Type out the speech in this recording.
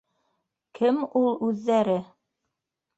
Кем ул... үҙҙәре?